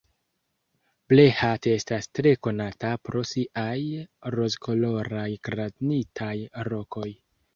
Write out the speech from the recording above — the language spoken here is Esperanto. Brehat estas tre konata pro siaj rozkoloraj granitaj rokoj.